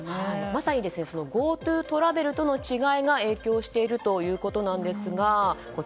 まさにそのＧｏＴｏトラベルとの違いが影響しているということなんです。